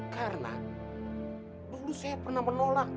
karena dulu saya pernah menolak